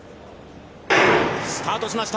スタートしました！